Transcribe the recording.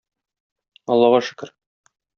Аллага шөкер!